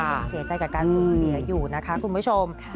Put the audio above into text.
ยังเสียใจกับการสูญเสียอยู่นะคะคุณผู้ชม